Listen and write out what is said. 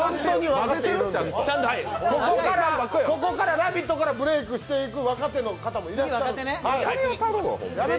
ここから「ラヴィット！」からブレークしていく若手の方もいらっしゃるから。